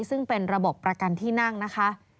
ซึ่งเป็นระบบประกันที่นั่งนะคะ